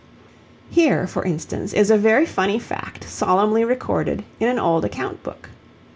Here, for instance, is a very funny fact solemnly recorded in an old account book.